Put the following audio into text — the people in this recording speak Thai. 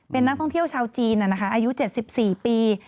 เป็นนักท่องเที่ยวชาวจีนอายุ๗๔ปี